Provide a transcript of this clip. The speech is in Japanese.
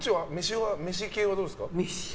めし系はどうですか？